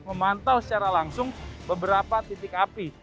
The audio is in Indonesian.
memantau secara langsung beberapa titik api